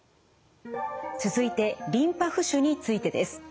続いてリンパ浮腫についてです。